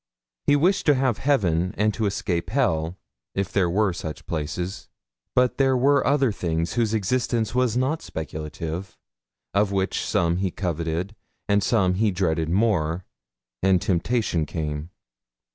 He wished to have heaven and to escape hell, if there were such places. But there were other things whose existence was not speculative, of which some he coveted, and some he dreaded more, and temptation came.